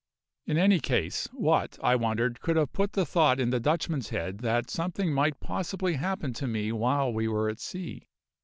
In any case, what, I wondered, could have put the thought in the Dutchman's head that something might possibly happen to me while we were at sea.